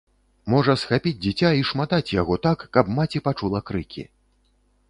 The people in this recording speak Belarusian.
Можа схапіць дзіця і шматаць яго так, каб маці пачула крыкі.